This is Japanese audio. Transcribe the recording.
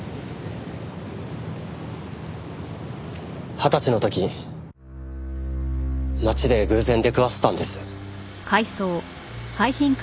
二十歳の時街で偶然出くわしたんです。